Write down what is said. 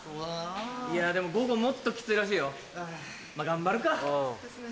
いやでも午後もっとキツいらしいよ。まぁ頑張るか。ですね。